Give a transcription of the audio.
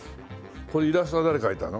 これイラストは誰が描いたの？